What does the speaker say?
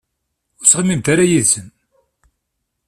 Ur ttɣimimt ara yid-sen.